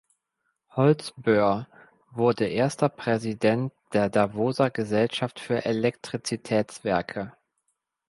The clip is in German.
Holsboer wurde erster Präsident der Davoser Gesellschaft für Elektrizitätswerke.